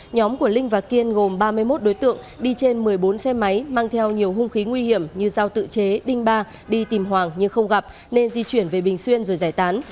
nhóm của linh và kiên gồm ba mươi một đối tượng đi trên một mươi bốn xe máy mang theo nhiều hung khí nguy hiểm như dao tự chế đinh ba đi tìm hoàng nhưng không gặp nên di chuyển về bình xuyên rồi giải tán